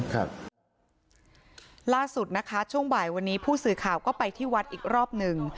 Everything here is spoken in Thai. ล่าสุดนะคะช่วงบ่ายวันนี้ผู้สื่อข่าวก็ไปที่วัดอีกรอบหนึ่ง